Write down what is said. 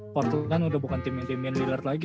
porto kan udah bukan tim yang damien lillard lagi